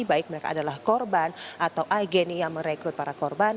baik mereka adalah korban atau agen yang merekrut para korban